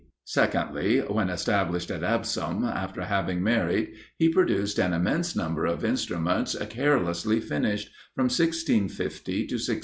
Secondly, when established at Absom, after having married, he produced an immense number of instruments carelessly finished, from 1650 to 1667.